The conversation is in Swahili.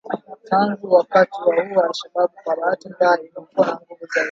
Tangu wakati huo al-Shabab kwa bahati mbaya imekuwa na nguvu zaidi